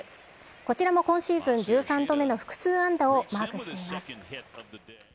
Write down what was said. こちらも今シーズン１３度目の複数安打をマークしています。